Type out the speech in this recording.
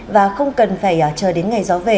và không cần phải chờ đến ngày gió về